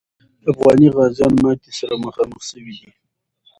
افغاني غازیان ماتي سره مخامخ سوي دي.